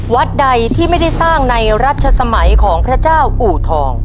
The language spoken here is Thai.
วัดใดที่ไม่ได้สร้างในรัชสมัยของพระเจ้าอู่ทอง